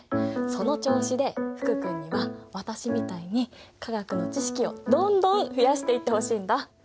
その調子で福君には私みたいに化学の知識をどんどん増やしていってほしいんだ！